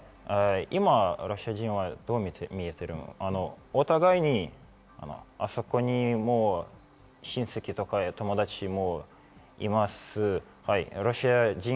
今、ロシア人はどう見えているのか、お互いにあそこにも親戚や友達がいます。